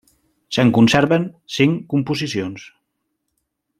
Se'n conserven cinc composicions.